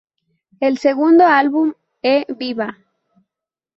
El segundo álbum E Viva!